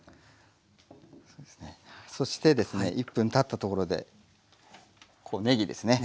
そしてですね１分たったところでねぎですね。